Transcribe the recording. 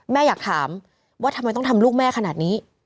แม่อยากถามว่าทำไมต้องทำลูกแม่ขนาดนี้